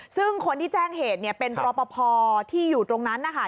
ซึ่งคนที่แจ้งเหตุเนี่ยเป็นรอปภที่อยู่ตรงนั้นนะคะ